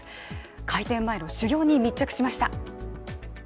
開店前の修業に密着しました。